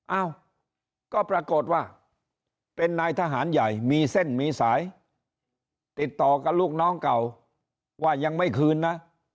เอ้าก็ปรากฏว่าเป็นนายทหารใหญ่มีเส้นมีสายติดต่อกับลูกน้องเก่าว่ายังไม่คืนนะ